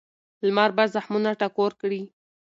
لمر به زخمونه ټکور کړي.